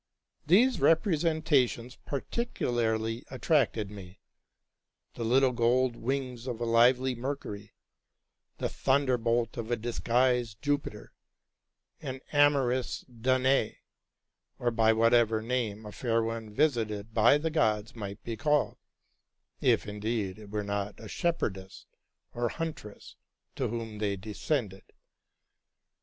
These representations particularly attracted me: the little gold wings of a lively Mercury, the thunder bolt of a disguised Jupiter, an amorous Danae, or by what ever name a fair one visited by the gods might be called, if indeed it were not a shepherdess or huntress to whom they descended.